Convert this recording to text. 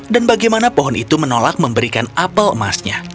dan bagaimana pohon itu menolak memberikan apel emasnya